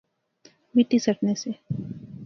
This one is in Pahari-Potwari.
مٹی سٹنے سے